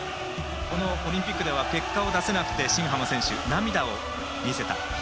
このオリンピックでは結果を出せなくて、新濱選手涙を見せた。